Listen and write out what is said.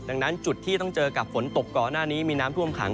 ดังนั้นจุดที่ต้องเจอกับฝนตกก่อนหน้านี้มีน้ำท่วมขัง